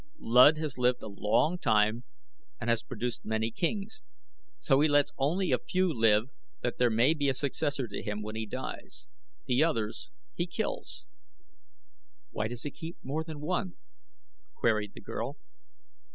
Luud has lived a long time and has produced many kings, so he lets only a few live that there may be a successor to him when he dies. The others he kills." "Why does he keep more than one?" queried the girl.